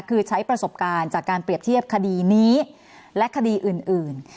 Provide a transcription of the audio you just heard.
คือใช้ประสบการณ์จากการเปรียบเทียบคดีนี้และคดีอื่น